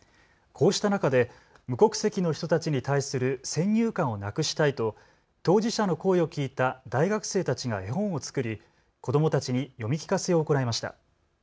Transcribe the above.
こうした中で無国籍の人たちに対する先入観をなくしたいと当事者の声を聞いた大学生たちが絵本を作り、子どもたちに読み聞かせを行いました。